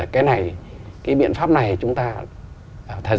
cái này cái biện pháp này chúng ta thời gian vừa qua đã thực hiện